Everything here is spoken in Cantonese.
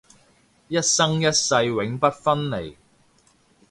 一生一世永不分離